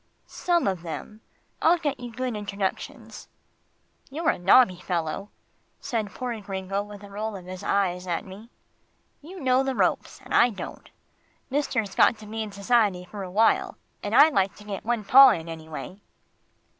"Some of them I'll get you good introductions." "You're a nobby fellow," said poor Gringo with a roll of his eyes at me. "You know the ropes, and I don't. Mister's got to be in society for a while, and I'd like to get one paw in anyway."